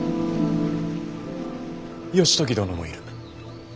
義時殿もいる。